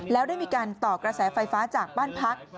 แล้วได้มีการต่อกระแสไฟฟ้าจากบ้านพัก